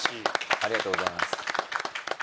ありがとうございます。